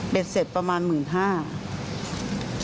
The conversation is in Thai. เบสเซ็ทประมาณ๑๕๐๐๐บาท